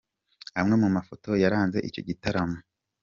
Amwe mu mafoto yaranze icyo gitaramo.